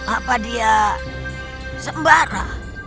apa dia sembara